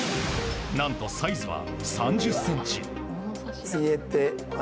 何と、サイズは３０ｃｍ。